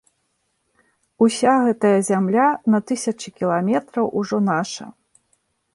Уся гэтая зямля на тысячы кіламетраў ужо наша.